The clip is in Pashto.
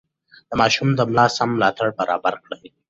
د ماشوم د ملا سم ملاتړ برابر کړئ.